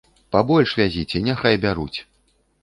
Пабольш вязіце, няхай бяруць.